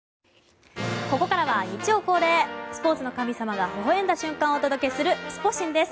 ここからは日曜恒例、スポーツの神様がほほ笑んだ瞬間をお届けするスポ神です。